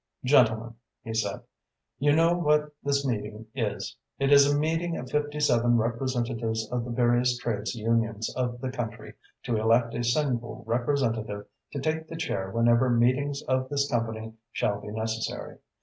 "Gentlemen," he said, "you know what this meeting is. It is a meeting of fifty seven representatives of the various trades unions of the country, to elect a single representative to take the chair whenever meetings of this company shall be necessary.